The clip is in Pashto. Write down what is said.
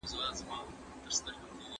ساینس پوهانو د کاغذ عمر معلوم کړی و.